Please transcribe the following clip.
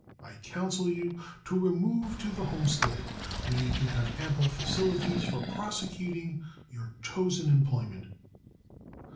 I counsel you to remove to the homestead, where you can have ample facilities for prosecuting your chosen employment."